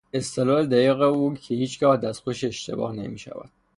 استدلال دقیق او که هیچگاه دستخوش اشتباه نمیشود.